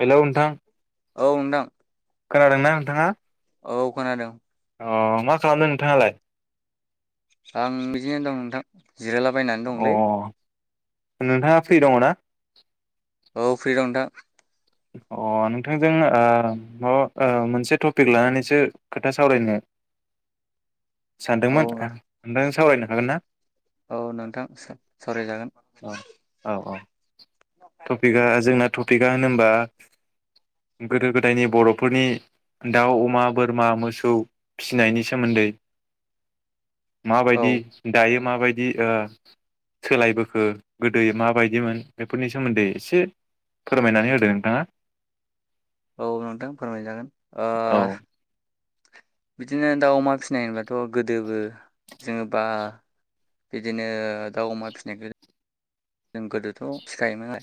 Hello नोंथां औ नोंथां खोनादोंना नोंथाङा? औ खोनादों अ मा खालामदों नोंथाङालाय? आं बिदिनो दं नोंथां जिरायलाबायनानै अ दंलै नोंथाङा फ्रि दङ ना? औ फ्रि दं नोंथां अ नोंथांजों ओ माबा ओ मोनसे टपिक लानानैसो खोथा सावरायनो औ सानदोंमोन [unintelligible] सावरायनो हागोन ना? औ नोंथां सावराय जागोन औ औ [unintelligible] टपिकआ जोंना [unintelligible] टपिकआ होनबा गोदो गोदायनि बर'फोरनि दाउ अमा बोरमा मोसौ फिसिनायनि सोमोन्दै औ माबायदि दायो माबाय दि ओ सोलायबोखो गोदैयै माबायदिमोन बेफोरनि सोमोन्दै एसे फोरमायनानै होदो हा औ नोंथां फोरमायजागोन ओ औ बिदिनो दाउ अमा फिनाय होनबाथ' गोदोबो जों बा बिदिनो दाउ अमा फिनायखो जों गोदोथ' फिखायोमोन आ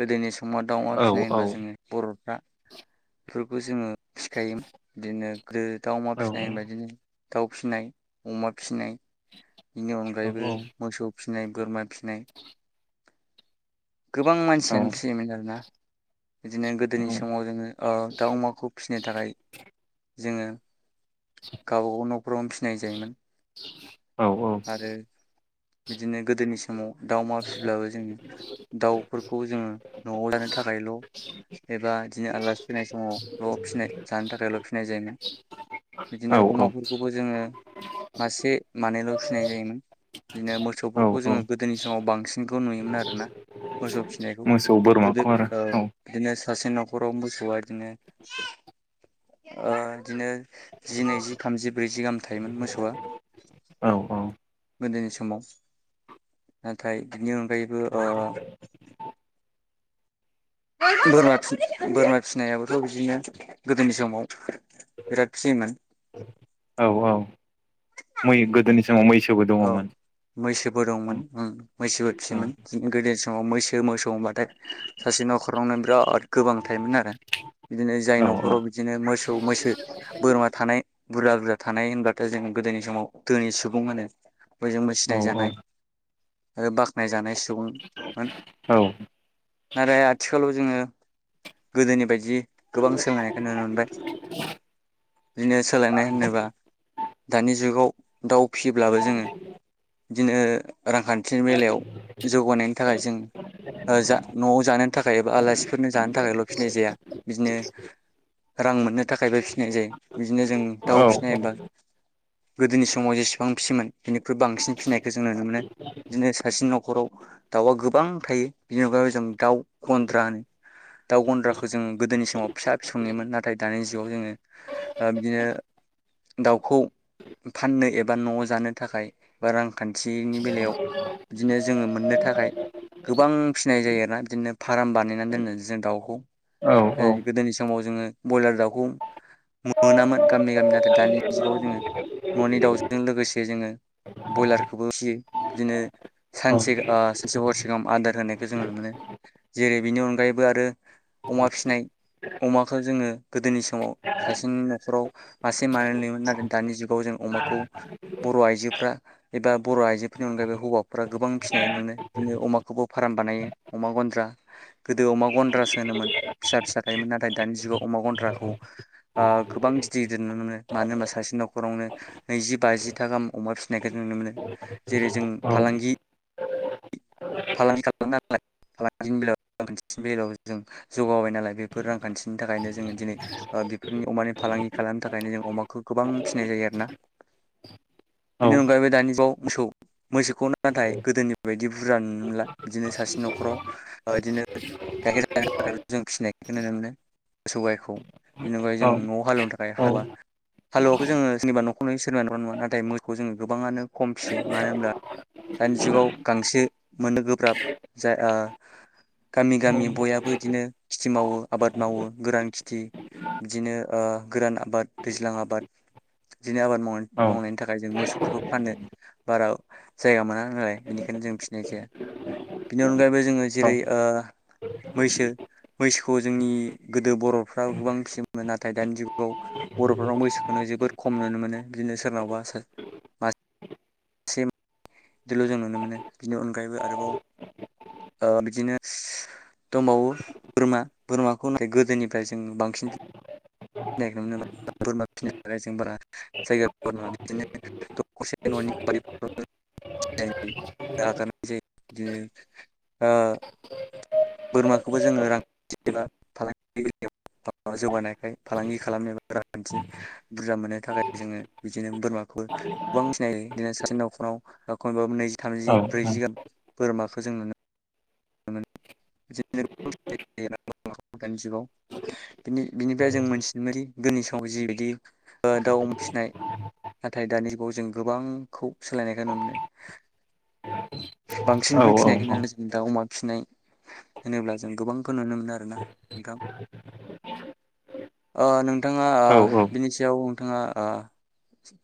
गोदोनि स अमा दाउमा औ फिनाय औ होनबा जोङो बर' रा बेफोरखो जोङो फिखायोमोन इदिनो गोदो दाउ अमा औ फिनाय होनबा इदिनो दाउ फिनाय अमा फिनाय बिनि अनगायैबो मोसौ फिनाय बोरमा फिनाय गोबां औ मानसियानो फियोमोन आरोना। बिदिनो औ गोदोनि समाव जोङो ओ दाउ अमाखौ फिनो थाखाय जोङो गावबा गाव न'फोरावनो फिनाय जायोमोन। औ औ। आरो बिदिनो गोदोनि समाव दाउ अमा फिब्लाबो जों दाउफोरखौ जोङो न'आव लानो थाखायल' एबा इदिनो आलासि फैनाय समावल' फिनाय जानो थाखायल' फिसिनाय जायोमोन। औ बिदिनो अमाफोरखौबो जोङो मासे मानैल' फिनाय जायोमोन बिदिनो औ मोसौफोरखौ जोङो औ गोदोनि समाव बांसिनखौ नुयोमोन आरोना। मोसौ फिनायखौ मोसौ गोदो बोरमाखौ आरो औ बिदिनो सासे न' खराव मोसौआ इदिनो ओ इदिनो जि नैजि थामजि ब्रैजि गाहाम थायोमोन मोसौआ। औ औ गोदोनि समाव नाथाय इनो फ्रायबो ओ [unintelligible] बोरमा फिसिनायाबोथ' बिदिनो गोदोनि समाव [unintelligible] बिराद फ्रिमोन औ औ मै गोदोनि समाव मैसोबो औ दङमोन मैसोबो दंमोन उम मैसोबो औ फियोमोन जों गोदो [unintelligible] मैसो मोसौ बाद थाय सासे न'खरावनो बिराद गोबां थायोमोन आरो बिदिनो जाय औ न'खराव बिदिनो मोसौ मैसो बोरमा थानाय बुरजा बुरजा थानाय होनब्लाथा जोङो गोदोनि समाव दोनि सुबुं होनो। बयजोंबो औ सिनायजानाय आरो नायजानाय सुबुंमोन। औ नाथाय आथिखालाव जोङो गोदोनि बायदि गोबां सोलोंनायखौ नुनो मोनबाय। बिजनेस सोलायनाय होनोबा। दानि जुगाव दाउ फिसियोब्ला [inaudible] बिदिनो रांखान्थिनि बेलायाव जौगानायनि थाखाय जों जा न'आव जानोोननि थाखाय एबा आलासिफोरनो जानो थाखायल' फिसिनाय जाया बिदिनो रां मोननो थाखायबो फिनाय जायो बिदिनो जों औ दाउ फिसिनाय एबा गोदोनि समाव जेसेबां फिसियोमोन। बिनिख्रुइ बांसिन फिसिनायखौ जों नुनो मोनो बिदिनो सासेनि न'खराव दाउआ गोबां थायो बिनि अनगायबो जों दाउ गन्द्रा होनो दाउ गन्द्राखौ जों गोदोनि समाव फिसा फिसौनिमोन नाथाय दानि जुगाव जोङो बिदिनो दाउखौ फाननो एबा न'आव जानो थाखाय बा रां खान्थिनि बेलायाव बिदिनो जोङो मोननो थाखाय गोबां फिनाय जायो आरोना बिदिनो फार्म बानायनानै दोनो जों दाउखौ औ गोदोनि समाव जोङो। ब्रयलार दावखौ दानि जुगाव जोङो न'नि दाउजों [unintelligible] लोगोसे जोङो ब्रयलारखौबो फिसियो बिदिनो सानसे सानसे हरसेगाहाम आदार होनायखौ जों नुनो मोनो जेरै बेनि अनगायै। अनगायैबो आरो अमा फिसिनाय अमाखौ जोङो गोदोनि समाव सासेनि न'खराव मासे मानै नुयोमोन नाथाय दानि जुगाव जों अमाखौ बर' आइजोफ्रा एबा बर' आइजोफोरनि अनगायैबो हौवा फोरा गोबां फिसिनाय नुयो बिदिनो अमाखौबो फार्म बानायो अमा गन्द्रा गोदो अमा गन्द्रासो होनोमोन फिसा फिसा थायोमोन नाथाय दानि जुगाव अमा गन्द्राखौ गोबां गिदिर गिदिर नुनो मोनो मानो होनबा सासे न'खरावनो नैजि बाजि था गाहाम अमा फिसिनायखौ जों नुनो मोनो जेरै जों फालांगि फालांगि खालामो नालाय फालांगिनि बेलायाव बेलायावबो जों जौगाबाय नालाय बेफोर रांखान्थिनि थाखायनो जोङो दिनै बेफोरनि अमानि फालांगि खालामनो थाखायनो जों अमाखौ गोबां फिनाय जायो आरोना बेनि अनगायैबो दानि जुगाव मोसौ मोसोखौनो नाथाय गोदोनि बायदि बुरजा बिदिनो सासे न'खराव बिदिनो गाइखेर जानो थाखायल' जों फिसिनायखौ नुनो मोनो मोसौ गाइखौ बिनि अनगायै जों न'आव हालेवनो थाखाय हालुवा हालुवाखौ जोङो सोरनिबा न'खराव नुयो सोरनिबा न'खराव नुवा नाथाय मोसौखौ जोङो गोबाङानो खम फियो मानो होनब्ला दानि जुगाव गांसो मोननो गोब्राब ओ जाय गामि गामि बयहाबो बिदिनो खेथि मावो आबाद मावो गोरान खेथि बिदिनो गोरान आबाद दैज्लां आबाद बिदिनो आबाद माव मावनायनि थाखाय जों मोसौफोरखौ खानो बारा जायगा मोना नालाय बेनिखायनो जों जाया बिनि अनगायैबो जोङो जेरै ओ मैसो मैसोखौ जोंनि गोदो बर'फ्रा गोबां फिसियोमोन नाथाय दानि जुगाव बर'फोरनाव मैसोखौनो जोबोद खम नुनो मोनो बिदिनो सोरनावबा मा सिम बिदिल' जों नुनो मोनो बिनि अनगायैबो आरोबाव बिदिनो दंबावो बोरमा बोरमाखौ गोदोनिफ्राय जों बांसिन [unintelligible] बोरमाखौबो जोङो रांखान्थि एबा फालांगि जौगानायखाय फालांगि खालामनो एबा रांखान्थि बुरजा मोननो थाखाय जोङो बिदिनो बोरमाखौबो गोबां फिनाय जायो बिदिनो सासे न'खराव खमैबो नैजि थामजि ब्रैजिगाहाम बोरमाखौ जों नुनो मोनो [unintelligible] दानि जुगाव बिनिफ्राय जों मोनथिनो मोनि गोदनि समाव जिबायदि दाउ अम फिसिनाय नाथाय दानि जुगाव जों गोबांखौ सोलायनायखौ नुनो मोनो। बांसिनखनो फिसिनायखौ जों दाव अमा फिसिनाय होनोब्ला जों गोबांखौ नुनो मोनो आरोना नोंथां नोंथाङा बिनि सायाव नोंथाङा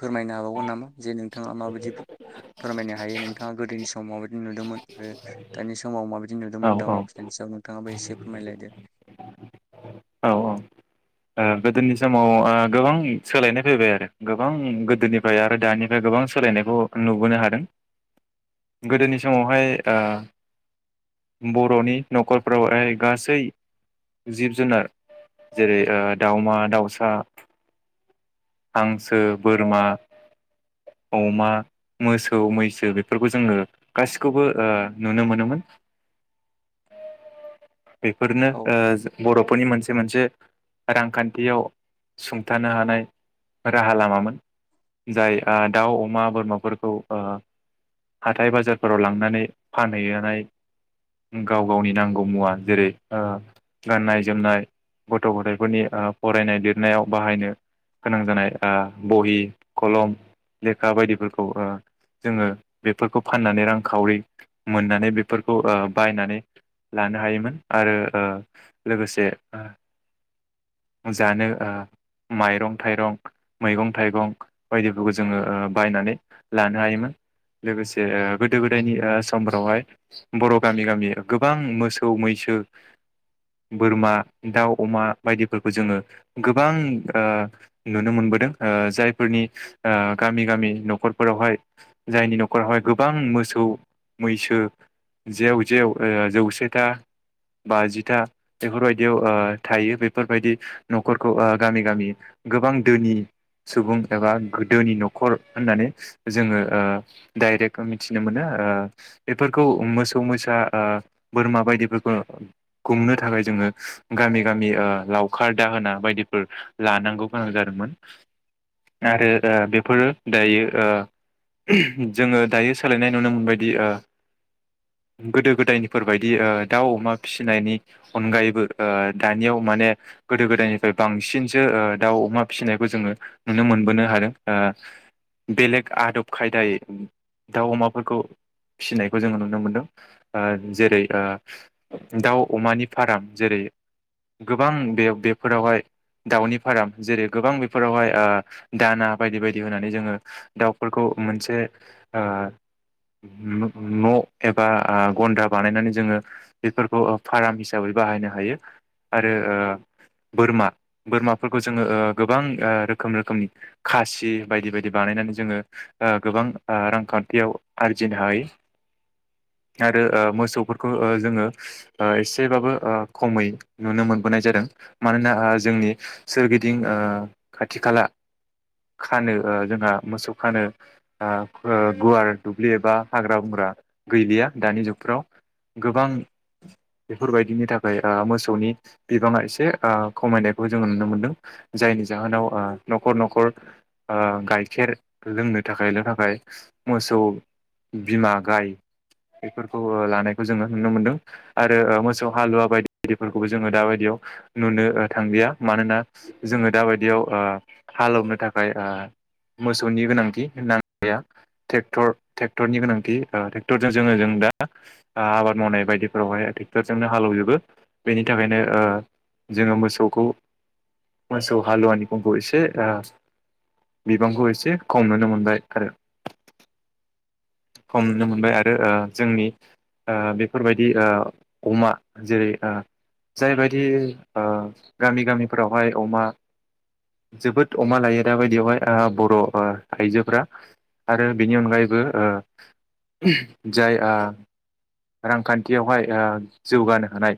फोरमायनो हाबावगोन नामा जे नोंथाङा माबायदि फोरमायनो हायो नोंथाङा गोदोनि सम माबायि नुदोंमोन आरो दानि समाव माबायदि नुदोंमोन दाव अमा फिनायनि सायाव नोंथाङाबो एसे फोरमायलायदो। गोदोनि समाव गोबां सोलायनाय फैबाय आरो गोबां गोदोनिफ्राय आरो दानिफ्राय गोबां सोलायनायखौ नुबोनो हादों गोदोनि समावहाय बर'नि न'खरफ्रावहाय गासै जिब जुनार जेरै दाउमा दाउसा हांसो बोरमा अमा मोसौ मैसो बेफोरखौ जोङो गासिखौबो नुनो मोनोमोन। बेफोरनो औ बर'फोरनि मोनसे मोनसे रांखान्थियाव सुंथानो हानाय राहा लामामोन जाय दाउ अमा बोरमाफोरखौ हाथाइ बाजारफोराव लांनानै फानहैनाय गाव गावनि नांगौ मुवा जेरै गाननाय जोमनाय गथ' गथायफोरनि फरायनाय लिरनायाव बाहायनो गोनां जानाय बहि खलम लेखा बायदिफोरखौ जोङो बेफोरखौ फाननानै रांखावरि मोननानै बेफोरखौ बायनानै लानो हायोमोन आरो लोगोसे जानो माइरं थाइरं मैगं थाइगं बायदिफोरखौ जोङो बायनानै लानो हायोमोन। लोगोसे गोदो गोदायनि समफोरावहाय बर' गामि गामि गोबां मोसौ मैसो बोरमा दाउ अमा बायदिफोरखौ जोङो गोबां नुनो मोनबोदों जायफोरनि गामि गामि नखरफोरावहाय जायनि नखर नखरावहाय गोबां मोसौ मैसो जेव जेव जौसेथा बाजिथा बेफोरबायदियाव थायो बेफोरबायदि न'खरखौ गामि गामि गोबां दोनि सुबुं एबा गोदोनि न'खर होननानै जोङो। डाइरेक्ट मिथिनो मोनो बेफोरखौ मोसौ मोसा बोरमा बायदिफोरखौ गुमनो थाखाय जोङो गामि गामि लावखार दाहोना बायदिफोर लानांगौ गोनां जादोंमोन आरो बेफोरो दायो। जोङो दायो सोलायनाय नुनो मोनबायदि गोदो गोदायनिफोर बायदि दाउ अमा फिसिनायनि अनगायैबो दानियाव माने गोदो गोदायनिफ्राय बांसिनसो दाउ अमा फिसिनायखौ जोङो नुनो मोनबोनो हादों बेलेग आदब खायदाय दाउ अमाफोरखौ फिनायखौ जोङो नुनो मोनदों जेरै दाउ अमानि फार्म जेरै गोबां बे बेफोरावहाय दाउनि फार्म जेरै गोबां बेफोरावहाय दाना बायदि बायदि होनानै जोङो दाउफोरखौ मोनसे न' एबा गन्द्रा बानायनानै जोङो बेफोरखौ फार्म हिसाबै बाहायनो हायो आरो बोरमा बोरमाफोरखौ जोङो गोबां रोखोम रोखोमनि खासि बायदि बायदि बानायनानै जोङो गोबां रांखान्थियाव आरजिनो हायो आरो मोसौफोरखौ जोङो एसेबाबो खमै नुनो मोनबोनाय जादों मानोना जोंनि सोरगिदिं खाथि खाला खानो जोंहा मोसौ खानो गुवार दुब्लि एबा हाग्रा बंग्रा गैलिया दानि जुगफ्राव गोबां बेफोरबायदिनि थाखाय मोसौनि बिबाङा एसे खमायनायखौ जोङो नुनो मोनदों जायनि जाहोनाव न'खर न'खर गाइखेर लोंनो थाखायल' थाखाय मोसौ बिमा गाय बेफोरखौ लानायखौ जोङो नुनो मोनदों आरो मोसौ हालुवा बायदि बायदिफोरखौबो जोङो दाबायदियाव नुनो थांलिया मानोना जोङो दाबायदियाव हालेवनो थाखाय मोसौनि गोनांथि होनना ट्रेक्टरनि गोनांथि ट्रेक्टरजों जोङो जों दा आबाद मावनाय बायदिफोरावहाय ट्रेक्टरजोंनो हालेवजोबो बेनि थाखायनो जोङो मोसौखौ मोसौ हालुवानि खंखौ एसे बिबांखौ एसे खम नुनो मोनबाय आरो खम नुनो मोनबाय आरो जोंनि ओ बेफोरबायदि ओ अमा जेरै ओ जायबायदि ओ गामि गामिफोरावहाय अमा जोबोद अमा लायो दाबायदियावहाय ओ बर' ओ आइजोफोरा आरो बेनि अनगायैबो ओ जाया रांखान्थियावहाय ओ जौगानो हानाय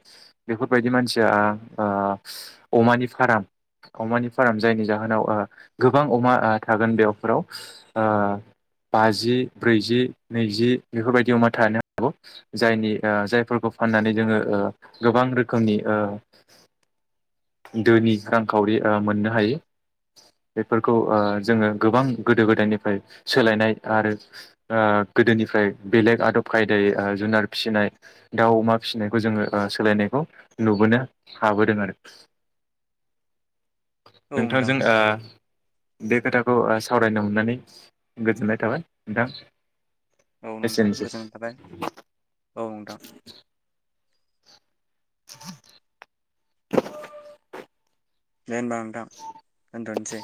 बेफोरबायदि मानसिया ओ ओ अमानि फार्म अमानि फार्म जायनि जाहोनाव ओ गोबां अमा ओ थागोन बेयावफोराव ओ बाजि ब्रैजि नैजि बेफोरबायदि अमा थानो हागौ। जायनि ओ जायफोरखौ फाननानै जोङो ओ गोबां रोखोमनि ओ दोनि रांखावरि ओ मोननो हायो बेफोरखौ ओ जोङो गोबां गोदो गोदायनिफ्राय सोलायनाय आरो ओ गोदोनिफ्राय बेलेग आदब खायदायै जुनार फिसिनाय दाउ अमा फिसिनायखौ जोङो ओ सोलायनायखौ नुबोनो हाबोदों आरो। औ नोंथां नोंथांजों ओ बे खोथाखौ ओ सावरायनो मोननानै गोजोननाय थाबाय नोंथां औ नोंथां एसेनोसै। गोजोननाय थाबाय। औ नोंथां। [inaudible] दे ओमबा नोंथां दोनथ'नोसै।